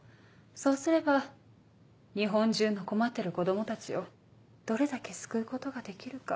そうすれば日本中の困ってる子供たちをどれだけ救うことができるか。